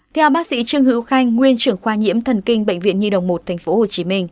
theo bác sĩ trương hữu khanh nguyên trưởng khoa nhiễm thần kinh bệnh viện nhi đồng một tp hcm